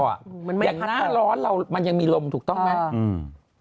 อย่างหน้าร้อนเรามันยังมีลมถูกต้องไหม